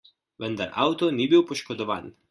Vendar avto ni bil poškodovan.